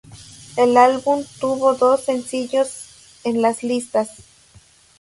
El álbum tuvo dos sencillos en las listas.